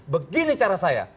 begini cara saya